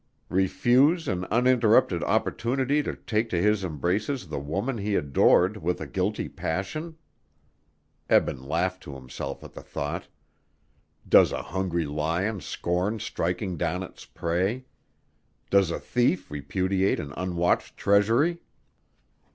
Refuse an uninterrupted opportunity to take to his embraces the woman he adored with a guilty passion! Eben laughed to himself at the thought. Does a hungry lion scorn striking down its prey? Does a thief repudiate an unwatched treasury?